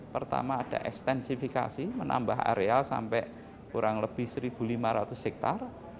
pertama ada ekstensifikasi menambah areal sampai kurang lebih satu lima ratus hektare